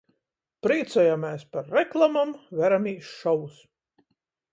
Prīcojamīs par reklamom, veramīs šovus...